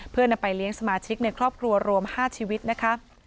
เพื่อนำไปเลี้ยงสมาชิกในครอบครัวรวม๕ชีวิตนะคะ